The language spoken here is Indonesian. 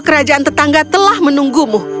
kerajaan tetangga telah menunggumu